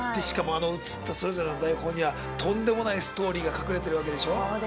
しかも映ったそれぞれの財宝にはとんでもないストーリーが隠れてるわけでしょ？